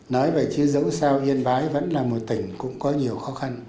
nói vậy chứ dẫu sao yên bái vẫn là một tỉnh cũng có nhiều khó khăn